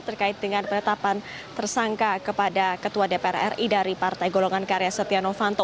terkait dengan penetapan tersangka kepada ketua dpr ri dari partai golongan karya setia novanto